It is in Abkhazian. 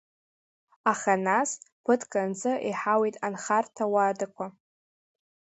Аха нас, ԥыҭк анҵы иҳауит анхарҭа уадақәа.